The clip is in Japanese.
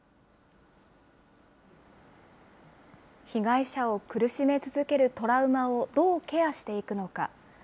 被害者を苦しめ続けるトラウマをどうケアしていくのか。